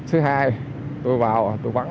thứ hai tôi vào tôi bắn